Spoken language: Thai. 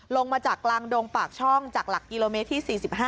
ลงมาจากกลางดงปากช่องจากหลักกิโลเมตรที่๔๕